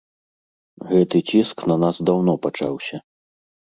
Гэты ціск на нас даўно пачаўся.